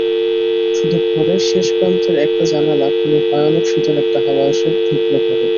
শুধু ঘরের শেষ প্রাস্তের একটা জানালা খুলে ভয়ানক শীতল একটা হাওয়া এসে ঢুকল ঘরে।